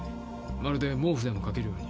まるで毛布でもかけるように。